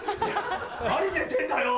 何寝てんだよ！